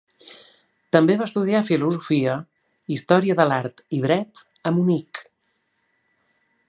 També va estudiar filosofia, història de l'art i dret a Munic.